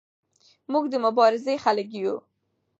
موږ د مبارزې خلک یو.